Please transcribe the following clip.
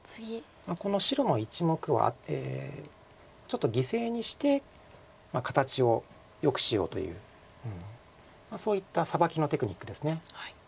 この白の１目はちょっと犠牲にして形をよくしようというそういったサバキのテクニックです。